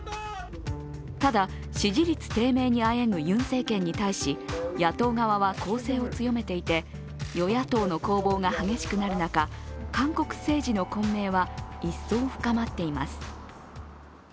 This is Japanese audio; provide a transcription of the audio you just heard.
ただ、支持率低迷にあえぐユン政権に対し、野党側は攻勢を強めていて与野党の攻防が激しくなる中、韓国政治の混迷は一層深まっています。